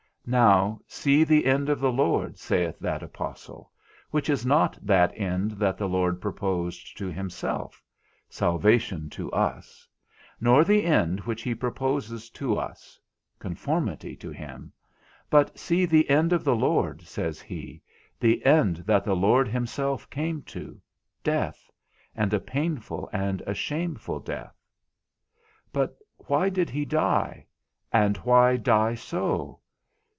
Now, see the end of the Lord, sayeth that apostle, which is not that end that the Lord proposed to himself (salvation to us), nor the end which he proposes to us (conformity to him), but see the end of the Lord, says he, the end that the Lord himself came to, death, and a painful and a shameful death. But why did he die? and why die so?